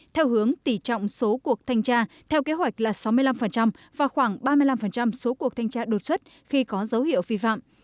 theo hướng tỉ trọng số cuộc thanh tra theo kế hoạch là sáu mươi năm và khoảng ba mươi năm số cuộc thanh tra đột xuất khi có dấu hiệu phi phạm